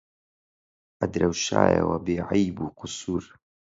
ئەدرەوشایەوە بێعەیب و قوسوور